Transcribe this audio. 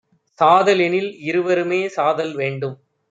சாதல்எனில் இருவருமே சாதல் வேண்டும்